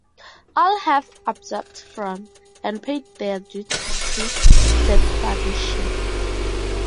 All have absorbed from, and paid their dues to, the tradition.